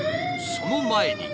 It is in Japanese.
その前に。